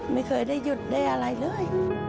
ไม่เคยได้หยุดได้อะไรเลย